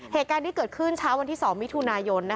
เหตุการณ์ที่เกิดขึ้นเช้าวันที่๒มิถุนายน